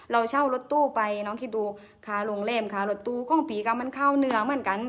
เราเช่ารถตู้ไปน้องคิดดูคาโรงแรมค่ะรถตู้ของผีก็มันเข้าเหนือเหมือนกัน